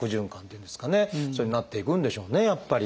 そういうふうになっていくんでしょうねやっぱり。